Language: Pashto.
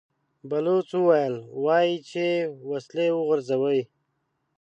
بلوڅ وويل: وايي چې وسلې وغورځوئ!